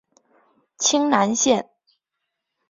清南线